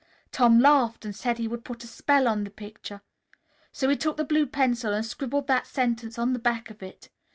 Tom laughed and said he would put a spell on the picture. So he took the blue pencil and scribbled that sentence on the back of it.